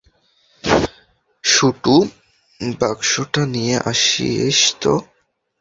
শুটু, বক্সটা নিয়ে আসিস তো।